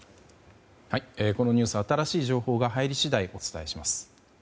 このニュース新しい情報が入り次第お伝えします。